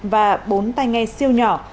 và bốn tay nghe siêu nhỏ